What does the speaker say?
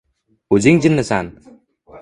O’zing jinnisan!..